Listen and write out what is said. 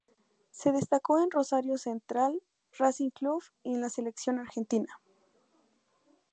Se destacó en Rosario Central, Racing Club y en la Selección Argentina.